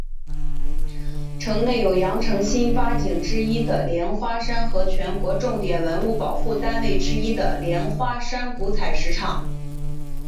镇内有羊城新八景之一的莲花山和全国重点文物保护单位之一的莲花山古采石场。